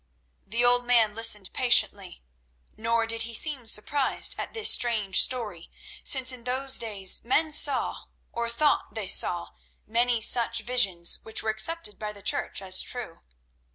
The old man listened patiently, nor did he seem surprised at this strange story, since in those days men saw—or thought they saw—many such visions, which were accepted by the Church as true.